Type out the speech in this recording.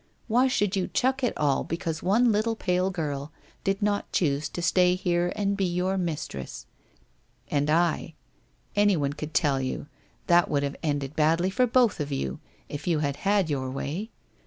Why should you chuck it all because one little pale girl did not choose to stay here and be your mistress? And I — anyone could WHITE ROSE OF WEARY LEAF 403 tell you that would have ended badly for both of you, if you had had your way.